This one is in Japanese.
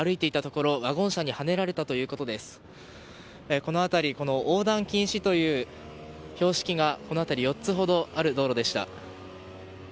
この辺り、横断禁止という標識が４つほどある道路でした。